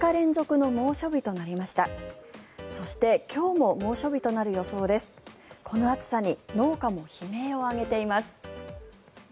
この暑さに農家も悲鳴を上げています。